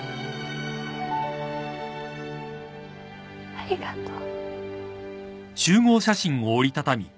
ありがとう。